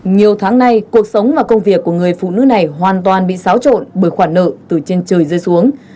nhiều tháng nay cuộc sống và công việc của người phụ nữ này hoàn toàn bị xáo trộn bởi khoản nợ từ trên trời rơi xuống